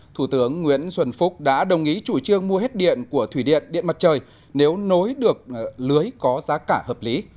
thủ tướng nguyễn xuân phúc đã đồng ý chủ trương mua hết điện của thủy điện điện mặt trời nếu nối được lưới có giá cả hợp lý